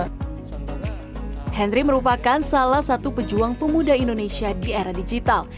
henry merupakan salah satu pejuang pemuda indonesia di era digital